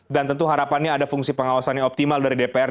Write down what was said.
dan tentu harapannya ada fungsi pengawasan yang optimal dari dpr